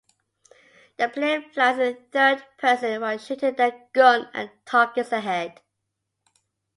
The player flies in third-person while shooting their gun at targets ahead.